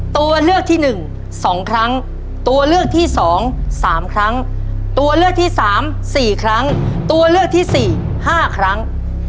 ตัวเลือกที่๑๒ครั้งตัวเลือกที่๒๓ครั้งตัวเลือกที่๓๔ครั้งตัวเลือกที่๔๕ครั้ง